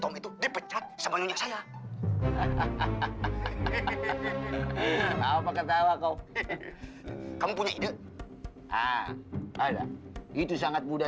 orang itu dipecat sebelumnya saya hahaha hehehe hehehe hehehe kamu punya ide itu sangat mudah